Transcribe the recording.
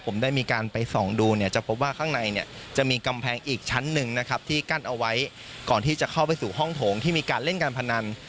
ผมได้มีการไปส่องดูเนี่ยจะพบว่าข้างในเนี่ยจะมีกำแพงอีกชั้นหนึ่งนะครับที่กั้นเอาไว้ก่อนที่จะเข้าไปสู่ห้องโถงที่มีการเล่นการพนัน